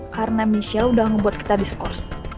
karena michelle udah ngebuat kita diskurs